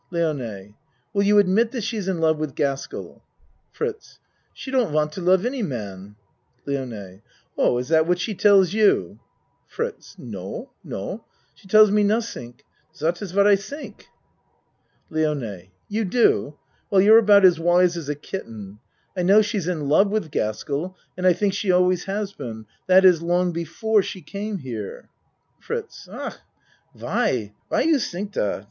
LIONE Will you admit that she's in love with Gaskell? FRITZ She don't want to love any man. LIONE Oh, is that what she tells you? FRITZ No no she tells me nodding. Dat iss what I tink. LIONE You do? Well, you're about as wise as a kitten. I know she's in love with Gaskell and I think she always has been that is long before she came here. FRITZ Ach! Why? Why you tink dot?